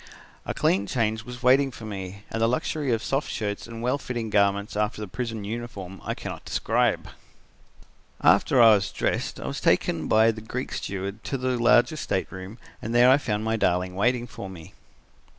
A clean change was waiting for me, and the luxury of soft shirts and well fitting garments after the prison uniform I cannot describe. "After I was dressed I was taken by the Greek steward to the larger stateroom and there I found my darling waiting for me."